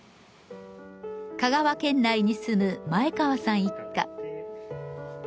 香川県内に住む前川さん一家。